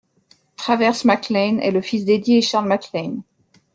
Travers McLain est le fils d'Edie et Charles McLain.